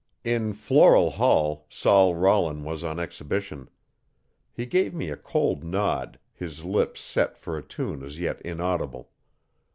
In Floral Hall Sol Rollin was on exhibition. He gave me a cold nod, his lips set for a tune as yet inaudible.